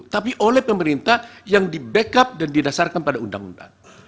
tapi oleh pemerintah yang di backup dan didasarkan pada undang undang